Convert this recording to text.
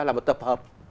là một tập hợp